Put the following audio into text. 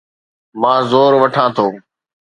مان زور وٺان ٿو